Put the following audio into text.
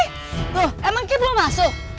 tuh emang kee belum masuk